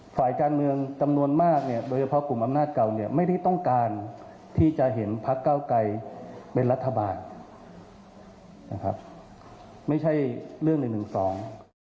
ฝ่ายการเมืองจำนวนมากเนี่ยโดยเฉพาะกลุ่มอำนาจเก่าเนี่ยไม่ได้ต้องการที่จะเห็นพักเก้าไกรเป็นรัฐบาลนะครับไม่ใช่เรื่องหนึ่งหนึ่งสอง